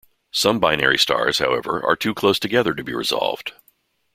Some binary stars, however, are too close together to be resolved.